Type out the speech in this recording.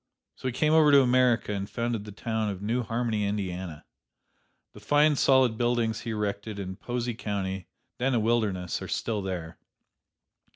So he came over to America and founded the town of New Harmony, Indiana. The fine solid buildings he erected in Posey County, then a wilderness, are still there.